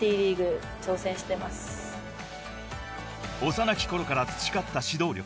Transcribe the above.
［幼きころから培った指導力］